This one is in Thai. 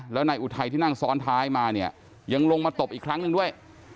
แล้วนายอุทัยที่นั่งซ้อนท้ายมาเนี่ยยังลงมาตบอีกครั้งหนึ่งด้วย